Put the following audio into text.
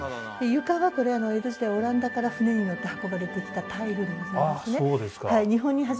床はこれは江戸時代オランダから船にのって運ばれてきたタイルでございますねああ